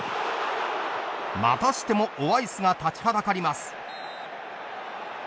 またしてもオワイスが立ちはだかります。